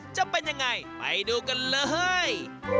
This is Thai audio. จะเป็นยังไงไปดูกันเลย